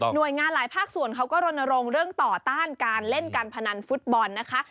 โดยงานหลายภาคส่วนเขาก็รณรงค์เรื่องต่อต้านการเล่นการพนันฟุตบอลนะคะ